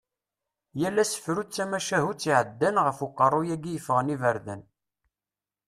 Yal asefru d tamacahutt iɛeddan ɣef uqerru-yagi yeffɣen iberdan.